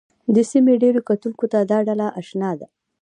د سیمې ډېرو کتونکو ته دا ډله اشنا ده